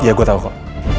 iya gue tau kok